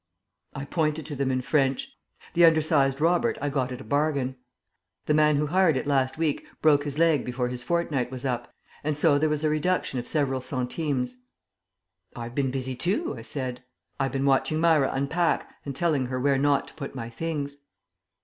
"I pointed to them in French. The undersized Robert I got at a bargain. The man who hired it last week broke his leg before his fortnight was up, and so there was a reduction of several centimes." "I've been busy too," I said. "I've been watching Myra unpack, and telling her where not to put my things."